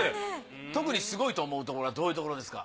特にすごいと思うところはどういうところですか？